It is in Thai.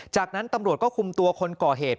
จากนั้นตำรวจก็คุมตัวคนก่อเหตุ